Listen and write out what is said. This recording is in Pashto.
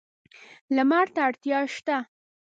لمر ته اړتیا شته.